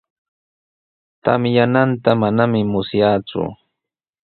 Tamyananta manami musyaaku.